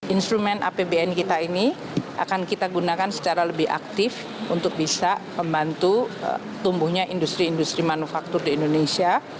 instrumen apbn kita ini akan kita gunakan secara lebih aktif untuk bisa membantu tumbuhnya industri industri manufaktur di indonesia